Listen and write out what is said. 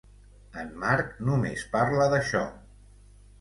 En Mark només parla d'això.